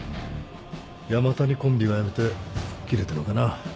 山谷コンビが辞めて吹っ切れたのかな。